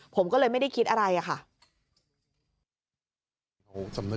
ผมก็เลยไม่ได้คิดอะไรอะค่ะ